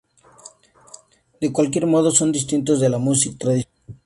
De cualquier modo son distintos de la music tradicional.